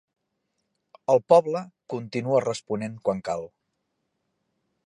El poble continua responent quan cal.